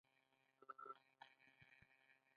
هر تایید د کیفیت تضمین دی.